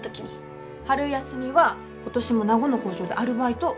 春休みは今年も名護の工場でアルバイト。